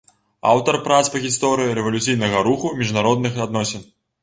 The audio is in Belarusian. Аўтар прац па гісторыі рэвалюцыйнага руху, міжнародных адносін.